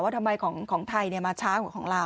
ว่าทำไมของไทยมาช้าของเรา